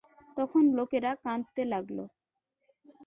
তখন লোকেরা কাঁদতে লাগল।